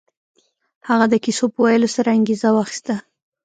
هغه د کيسو په ويلو سره انګېزه واخيسته.